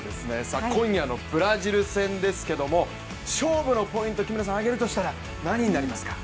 今夜のブラジル戦ですけれども、勝負のポイント挙げるとしたら何になりますか？